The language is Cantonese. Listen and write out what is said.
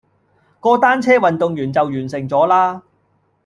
個單車運動員就完成咗啦